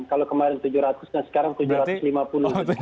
kalau kemarin tujuh ratus dan sekarang tujuh ratus lima puluh